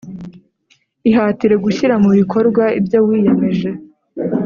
Ihatire gushyira mu bikorwa ibyo wiyemeje